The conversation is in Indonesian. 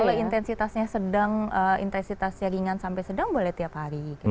kalau intensitasnya sedang intensitasnya ringan sampai sedang boleh tiap hari